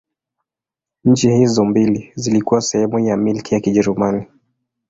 Nchi hizo mbili zilikuwa sehemu ya Milki ya Kijerumani.